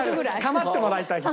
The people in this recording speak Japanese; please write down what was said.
構ってもらいたいんだ。